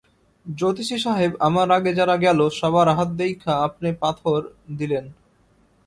জ্যোতিষী সাহেব, আমার আগে যারা গেল, সবার হাত দেইখা আপনে পাথর দিলেন।